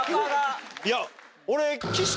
いや俺。